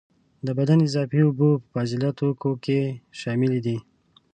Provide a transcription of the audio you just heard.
د بدن اضافي اوبه په فاضله توکو کې شاملي دي.